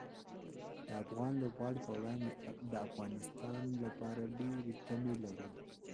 د افغان لوبغاړو پر وړاندې د افغانستان لپاره ډېرې تمې لرو.